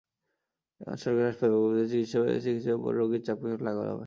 এখন সরকারি হাসপাতালগুলোতে চিকিৎসাসেবায় চিকিৎসকদের ওপর রোগীর চাপ কিছুটা লাঘব হবে।